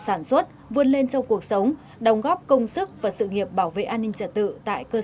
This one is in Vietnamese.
sản xuất vươn lên trong cuộc sống đồng góp công sức và sự nghiệp bảo vệ an ninh trật tự tại cơ